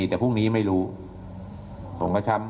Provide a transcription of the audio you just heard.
ท่านพรุ่งนี้ไม่แน่ครับ